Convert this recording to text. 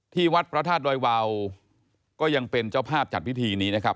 ที่วัดพระธาตุดอยวาวก็ยังเป็นเจ้าภาพจัดพิธีนี้นะครับ